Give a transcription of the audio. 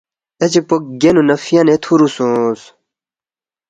اے چِکپو گینُو نہ فیانے تُھورُو سونگس